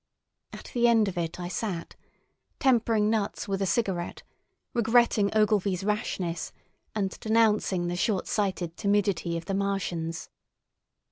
At the end of it I sat, tempering nuts with a cigarette, regretting Ogilvy's rashness, and denouncing the short sighted timidity of the Martians.